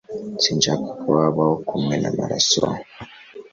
Sinshaka ko habaho kumena amaraso